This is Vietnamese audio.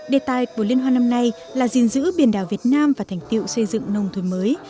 đề tài của liên hoan năm nay là gìn giữ biển đảo việt nam và thành tiệu xây dựng nông thôn mới